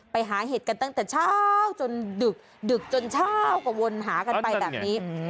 ไปหาเห็ดกันตั้งแต่เช้าจนดึกดึกจนเช้าก็วนหากันไปแบบนี้